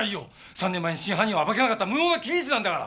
３年前に真犯人を暴けなかった無能な刑事なんだから！